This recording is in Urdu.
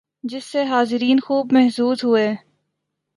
جس سے حاضرین خوب محظوظ ہوئے